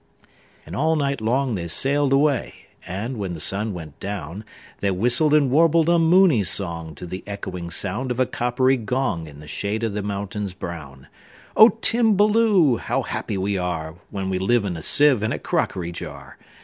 And all night long they sail'd away; And, when the sun went down, They whistled and warbled a moony songTo the echoing sound of a coppery gong, In the shade of the mountains brown,"O Timballoo! how happy we areWhen we live in a sieve and a crockery jar!